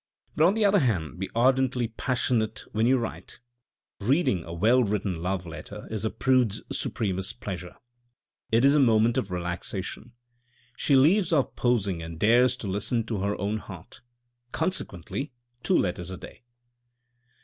But on the other hand be ardently passionate when you write. Reading a well written love letter is a prude's supremest pleasure. It is a moment of relaxation. She leaves off posing and dares to listen to her own heart; consequently two letters a day."